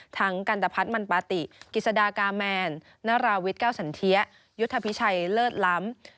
กันตะพัฒน์มันปาติกิจสดากาแมนนาราวิทย์เก้าสันเทียยุทธพิชัยเลิศล้ำ